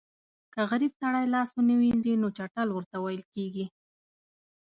که غریب سړی لاس ونه وینځي نو چټل ورته ویل کېږي.